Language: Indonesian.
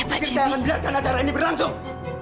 kita akan biarkan acara ini berlangsung